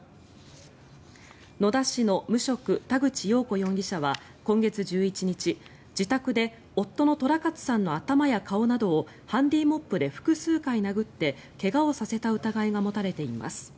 野田市の無職田口よう子容疑者は今月１１日、自宅で夫の寅勝さんの頭や顔などをハンディーモップで複数回殴って怪我をさせた疑いが持たれています。